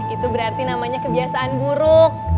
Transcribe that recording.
itu berarti namanya kebiasaan buruk